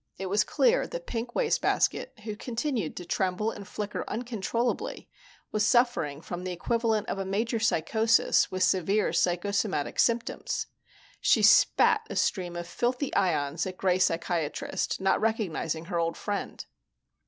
It was clear that Pink Wastebasket, who continued to tremble and flicker uncontrollably, was suffering from the equivalent of a major psychosis with severe psychosomatic symptoms. She spat a stream of filthy ions at Gray Psychiatrist, not recognizing her old friend.